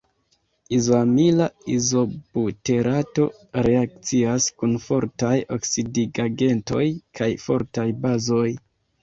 Izoamila izobuterato reakcias kun fortaj oksidigagentoj kaj fortaj bazoj.